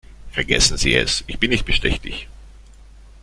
Vergessen Sie es, ich bin nicht bestechlich.